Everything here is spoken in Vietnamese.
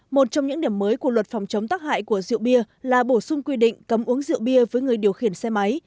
một trong những điểm mới của luật phòng chống tắc hại của rượu bia là bổ sung quy định cấm uống rượu bia với người điều khiển xe máy